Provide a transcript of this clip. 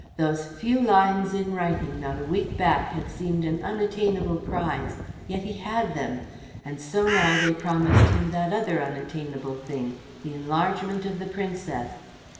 Those few lines in writing not a week back had seemed an unattainable prize, yet he had them; and so now they promised him that other unattainable thing, the enlargement of the Princess.